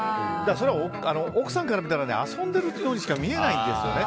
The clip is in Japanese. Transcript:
それは奥さんから見たら遊んでるというふうにしか見えないんですよね。